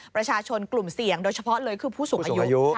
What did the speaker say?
ประชาชนกลุ่มเสี่ยงโดยเฉพาะเลยคือผู้สูงอายุ